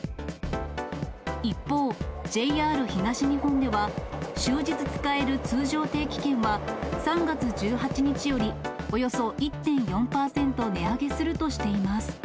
一方、ＪＲ東日本では、終日使える通常定期券は、３月１８日よりおよそ１．４％値上げするとしています。